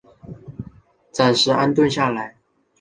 暂时安顿下来